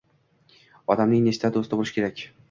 Odamning nechta doʻsti boʻlishi kerak